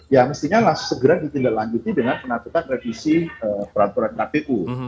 ya mestinya segera ditinggal lanjuti dengan penatutan revisi peraturan kpu